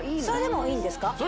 それでもいいんですか？